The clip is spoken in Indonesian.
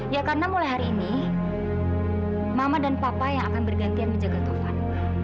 ya karena mulai hari ini mama dan papa yang akan bergantian menjaga tovan